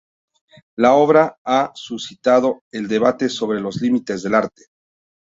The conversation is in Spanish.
La obra ha suscitado el debate sobre los límites del arte.